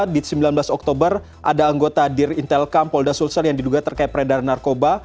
di sembilan belas oktober ada anggota dir intelkam polda sulsel yang diduga terkait peredaran narkoba